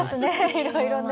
いろいろね。